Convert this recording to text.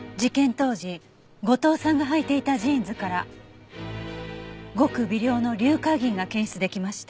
当時後藤さんがはいていたジーンズからごく微量の硫化銀が検出できました。